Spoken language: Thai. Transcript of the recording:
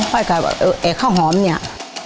เข้าไปกับแอ่ข้าวหอมเนี่ย